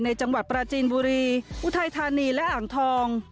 จังหวัดปราจีนบุรีอุทัยธานีและอ่างทอง